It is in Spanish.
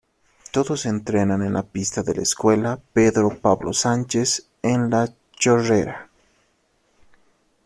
Todos entrenan en la pista de la Escuela Pedro Pablo Sánchez, en La Chorrera.